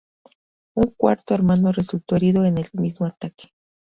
Un cuarto hermano resultó herido en el mismo ataque.